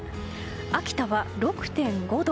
秋田は６．５度。